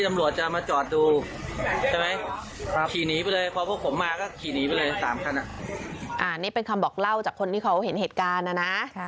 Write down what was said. นี่เป็นคำบอกเล่าจากคนที่เขาเห็นเหตุการณ์นะนะ